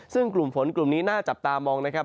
ซึ่งกลุ่มฝนกลุ่มนี้น่าจับตามองนะครับ